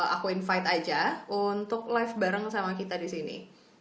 aku invite aja untuk live bareng sama kita disini